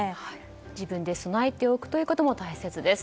自分で備えておくことも大切です。